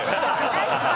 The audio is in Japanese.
確かに。